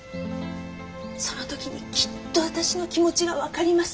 その時にきっと私の気持ちが分かります。